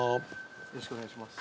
よろしくお願いします。